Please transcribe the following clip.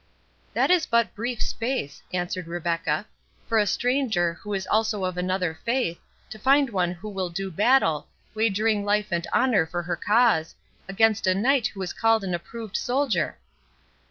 "That is but brief space," answered Rebecca, "for a stranger, who is also of another faith, to find one who will do battle, wagering life and honour for her cause, against a knight who is called an approved soldier."